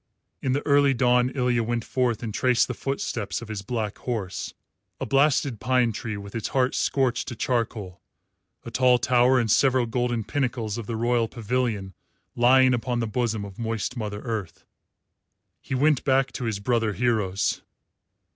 In the early dawn Ilya went forth and traced the footsteps of his black horse a blasted pine tree with its heart scorched to charcoal, a tall tower, and several golden pinnacles of the royal pavilion lying upon the bosom of moist Mother Earth. He went back to his brother heroes.